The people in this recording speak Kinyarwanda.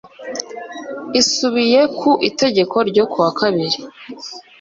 isubiye ku itegeko ryo kuwa kabiri